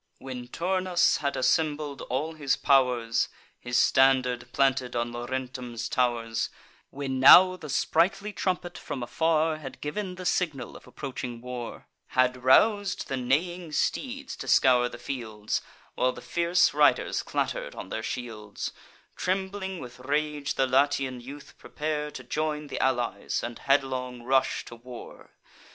When Turnus had assembled all his pow'rs, His standard planted on Laurentum's tow'rs; When now the sprightly trumpet, from afar, Had giv'n the signal of approaching war, Had rous'd the neighing steeds to scour the fields, While the fierce riders clatter'd on their shields; Trembling with rage, the Latian youth prepare To join th' allies, and headlong rush to war.